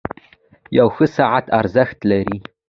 • یو ښه ساعت ارزښت لري.